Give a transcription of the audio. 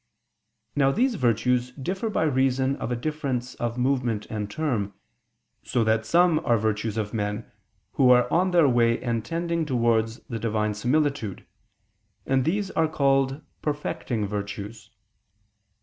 Now these virtues differ by reason of a difference of movement and term: so that some are virtues of men who are on their way and tending towards the Divine similitude; and these are called "perfecting" virtues.